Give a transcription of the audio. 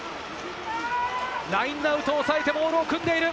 ラインアウトをおさえてモールを組んでいる。